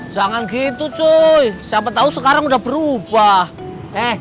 jangan gitu cuy siapa tahu sekarang udah berubah